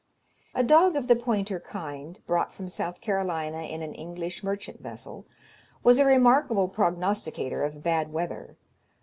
A dog of the pointer kind, brought from South Carolina in an English merchant vessel, was a remarkable prognosticator of bad weather.